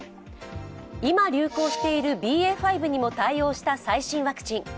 今、流行しているＢＡ．５にも対応した最新ワクチン。